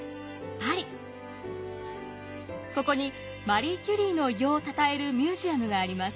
ここにマリー・キュリーの偉業をたたえるミュージアムがあります。